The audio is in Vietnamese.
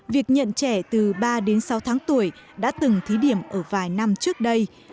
việc nhận trẻ từ ba đến sáu tháng tuổi đã từng thí điểm ở vài năm trước đây